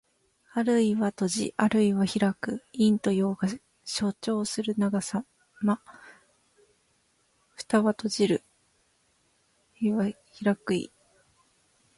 あるいは閉じ、あるいは開く。陰と陽が消長するさま。「闔」は閉じる。「闢」は開く意。